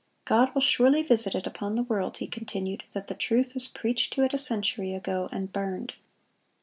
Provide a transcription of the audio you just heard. "God will surely visit it upon the world," he continued, "that the truth was preached to it a century ago, and burned!"